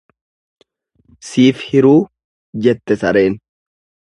"""Siif hiruu""jette sareen."